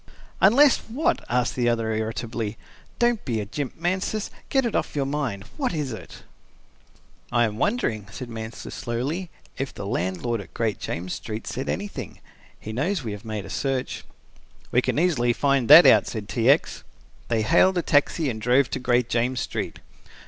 "Unless what?" asked the other, irritably. "Don't be a jimp, Mansus. Get it off your mind. What is it?" "I am wondering," said Mansus slowly, "if the landlord at Great James Street said anything. He knows we have made a search." "We can easily find that out," said T. X. They hailed a taxi and drove to Great James Street.